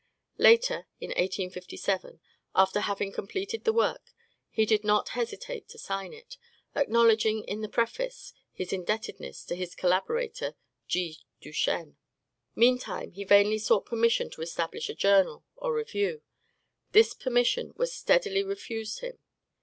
Later, in 1857, after having completed the work, he did not hesitate to sign it, acknowledging in the preface his indebtedness to his collaborator, G. Duchene. Meantime, he vainly sought permission to establish a journal, or review. This permission was steadily refused him.